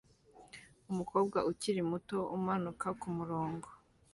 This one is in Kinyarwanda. Umukobwa ukiri muto umanuka kumurongo